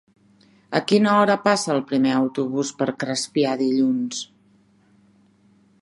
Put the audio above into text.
A quina hora passa el primer autobús per Crespià dilluns?